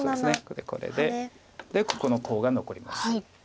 これでここのコウが残ります。